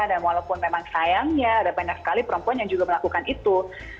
walaupun memang sayangnya ada banyak sekali perempuan yang juga melakukan itu